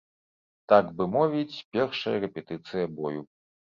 Так бы мовіць першая рэпетыцыя бою.